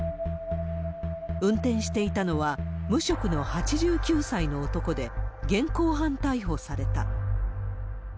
運転していたのは、無職の８９歳の男で、現行犯逮捕された。